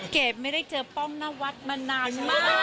ไม่ได้เจอป้องนวัดมานานมาก